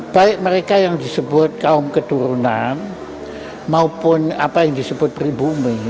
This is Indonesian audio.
baik mereka yang disebut kaum keturunan maupun apa yang disebut pribumi